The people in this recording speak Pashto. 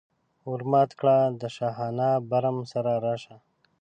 ور مات کړه د شاهانه برم سره راشه.